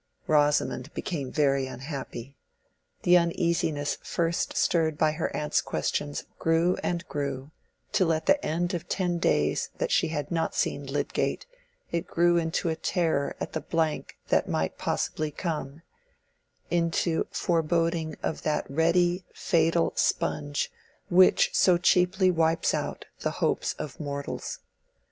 Rosamond became very unhappy. The uneasiness first stirred by her aunt's questions grew and grew till at the end of ten days that she had not seen Lydgate, it grew into terror at the blank that might possibly come—into foreboding of that ready, fatal sponge which so cheaply wipes out the hopes of mortals.